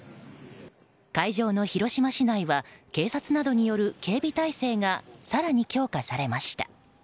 会場の広島市内は警察などによる警備態勢が更に強化されました。